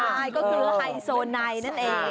ใช่ก็คือไฮโซไนนั่นเอง